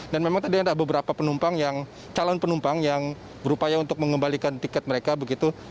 dan memang tadi ada beberapa penumpang yang calon penumpang yang berupaya untuk mengembalikan tiket mereka begitu